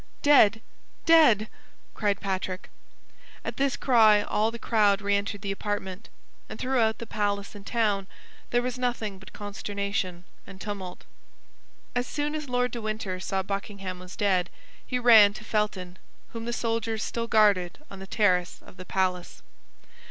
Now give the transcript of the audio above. "Dead, dead!" cried Patrick. At this cry all the crowd re entered the apartment, and throughout the palace and town there was nothing but consternation and tumult. As soon as Lord de Winter saw Buckingham was dead, he ran to Felton, whom the soldiers still guarded on the terrace of the palace.